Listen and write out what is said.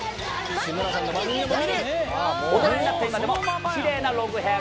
大人になった今でもキレイなロングヘアが。